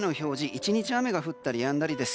１日雨が降ったりやんだりです。